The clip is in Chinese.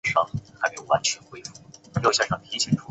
医学博士。